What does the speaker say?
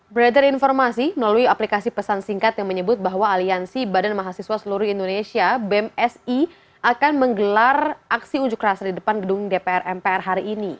beredar informasi melalui aplikasi pesan singkat yang menyebut bahwa aliansi badan mahasiswa seluruh indonesia bemsi akan menggelar aksi unjuk rasa di depan gedung dpr mpr hari ini